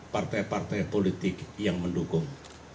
partai partai politik yang mendukung